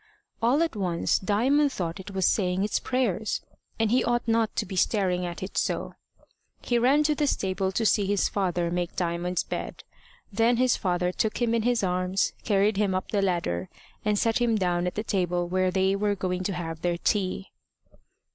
All at once Diamond thought it was saying its prayers, and he ought not to be staring at it so. He ran to the stable to see his father make Diamond's bed. Then his father took him in his arms, carried him up the ladder, and set him down at the table where they were going to have their tea.